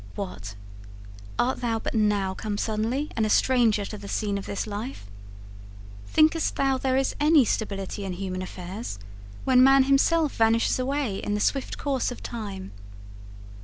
What! art thou but now come suddenly and a stranger to the scene of this life? Thinkest thou there is any stability in human affairs, when man himself vanishes away in the swift course of time?